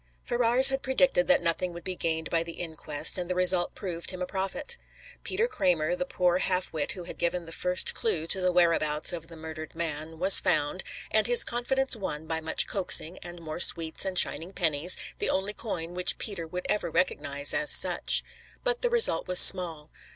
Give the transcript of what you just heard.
Ferrars had predicted that nothing would be gained by the inquest, and the result proved him a prophet. Peter Kramer, the poor half wit who had given the first clue to the whereabouts of the murdered man, was found, and his confidence won by much coaxing, and more sweets and shining pennies, the only coin which Peter would ever recognise as such. But the result was small.